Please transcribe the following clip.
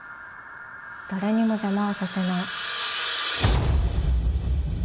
誰にも邪魔はさせない。